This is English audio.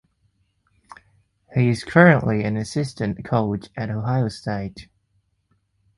He is currently an assistant coach at Ohio State.